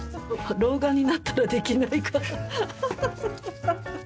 老眼になったらできないから。